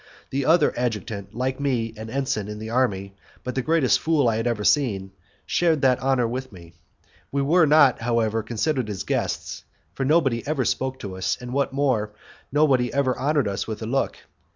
The other adjutant, like me, an ensign in the army, but the greatest fool I had ever seen, shared that honour with me. We were not, however, considered as guests, for nobody ever spoke to us, and, what is more, no one ever honoured us with a look.